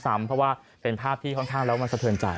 เพราะว่าเป็นภาพที่ค่อนข้างแล้วมันสะเทินใจ